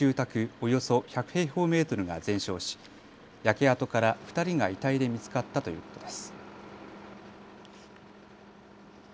およそ１００平方メートルが全焼し焼け跡から２人が遺体で見つかったということです。